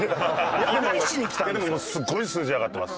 いやでもすごい数字上がってます。